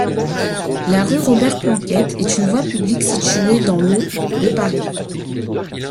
La rue Robert-Planquette est une voie publique située dans le de Paris.